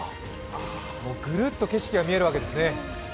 ぐるっと景色が見えるわけですね。